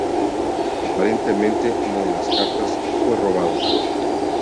Aparentemente una de las cartas fue robada.